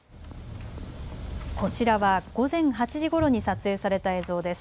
こちらは午前８時ごろに撮影された映像です。